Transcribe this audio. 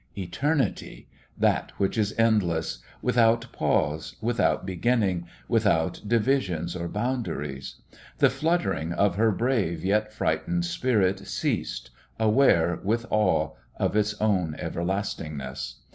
Eternity! That which is endless; without pause, without beginning, without divisions or boundaries. The fluttering of her brave yet frightened spirit ceased, aware with awe of its own everlastingness.